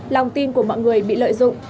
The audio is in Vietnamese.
lòng tin của mọi người bị lợi dụng